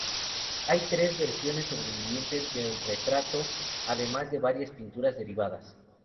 Hay tres versiones sobrevivientes del retrato, además de varias pinturas derivadas.